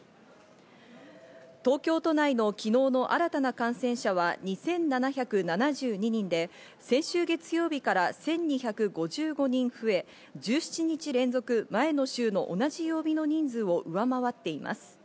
東京都内の昨日の新たな感染者は２７７２人で先週月曜日から１２５５人増え、１７日連続前の週の同じ曜日の人数を上回っています。